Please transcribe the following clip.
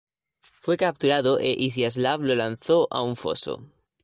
Fue capturado e Iziaslav lo lanzó a un foso.